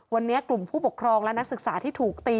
วันนี้กลุ่มผู้ปกครองและนักศึกษาที่ถูกตี